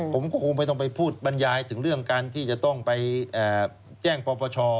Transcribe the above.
ผมก็คงไม่ต้องไปพูดบรรยายถึงเรื่องการที่จะต้องไปแจ้งปปช